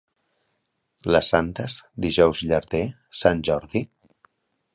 Les Santes, Dijous llarder, Sant Jordi.